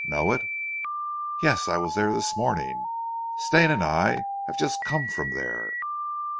Know it?" "Yes, I was there this morning; Stane and I have just come from there."